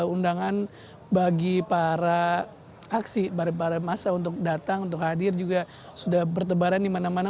undangan bagi para aksi para masa untuk datang untuk hadir juga sudah bertebaran di mana mana